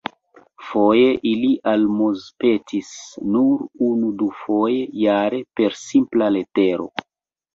Foje ili almozpetis nur unu-dufoje jare per simpla letero.